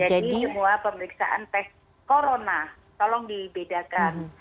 jadi semua pemeriksaan tes corona tolong dibedakan